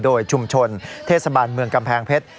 โดยชุมชนเทศบาลเมืองกำแพงเพชร